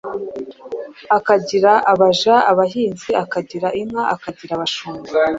akagira abaja, abahinzi, akagira inka, akagira abashumba.